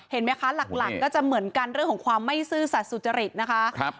เห็นไหมคะหลักก็จะเหมือนกันเรื่องของความไม่ซื่อสัตว์สุจริตนะคะ